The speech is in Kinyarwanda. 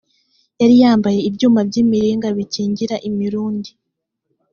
yari yambaye ibyuma by imiringa bikingira imirundi